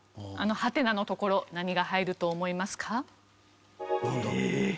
あのハテナのところ何が入ると思いますか？